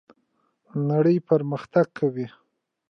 نړۍ پرمختګ کوي